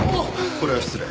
これは失礼。